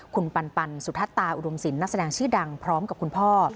คุณปันปันสุธัตรตาอุดมสินนักแสดงชีดังพร้อมกับคุณพ่อ